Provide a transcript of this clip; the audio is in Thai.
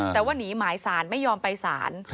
แต่ว่าหนีหมายสารไม่ยอมไปสาร